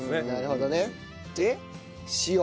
なるほどね。で塩。